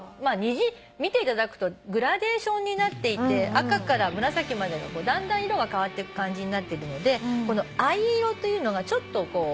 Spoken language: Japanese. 虹見ていただくとグラデーションになっていて赤から紫までのだんだん色が変わってく感じになってるのでこの藍色というのがちょっとこう。